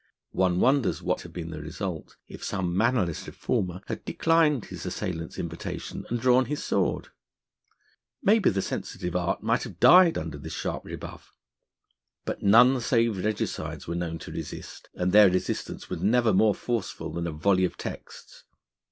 One wonders what had been the result if some mannerless reformer had declined his assailant's invitation and drawn his sword. Maybe the sensitive art might have died under this sharp rebuff. But none save regicides were known to resist, and their resistance was never more forcible than a volley of texts.